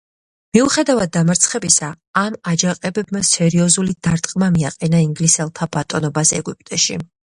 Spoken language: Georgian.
მიუხედავად დამარცხებისა, ამ აჯანყებებმა სერიოზული დარტყმა მიაყენა ინგლისელთა ბატონობას ეგვიპტეში.